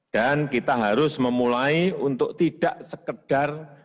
dan kita harus memulai untuk tidak sekedar